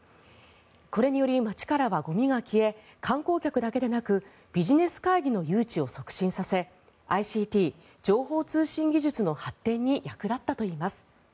これにより、街からはゴミが消え観光客だけでなくビジネス会議の誘致を促進させＩＣＴ・情報通信技術の発展に役立ったといいます。